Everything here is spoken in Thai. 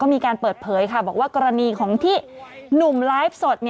มีการเปิดเผยค่ะบอกว่ากรณีของที่หนุ่มไลฟ์สด